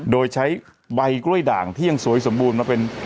โดยใช้ใบกล้วยด่างที่ยังสวยสมบูรณ์มาเป็น